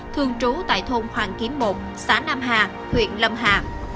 thường trú tại thôn hoàng kiếm một xã nam hà